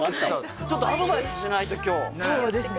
ちょっとアドバイスしないと今日そうですね